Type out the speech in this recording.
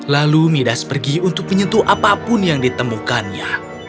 lalu midas pergi untuk menyentuh apapun yang ditemukannya